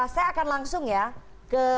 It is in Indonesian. saya akan langsung ya ke